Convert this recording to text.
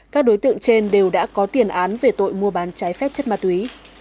các đối tượng trên đều đã có tiền án về tội mua bán trái phép chất ma túy